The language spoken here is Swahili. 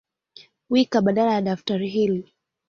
Wika badala ya daftari hili